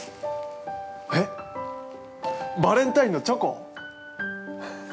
えっ、バレンタインのチョコ。